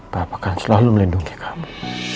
papa kan selalu melindungi kamu